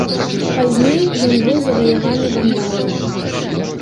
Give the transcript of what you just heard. Пазней ён быў заваяваны вандаламі.